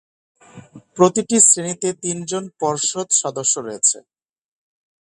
প্রতিটি শ্রেণিতে তিনজন পর্ষদ সদস্য রয়েছে।